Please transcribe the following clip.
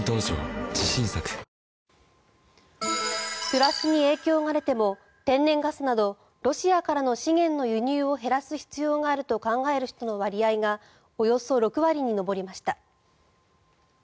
暮らしに影響が出ても天然ガスなどロシアからの資源の輸入を減らす必要があると考える人の割合がおよそ６割に上りました。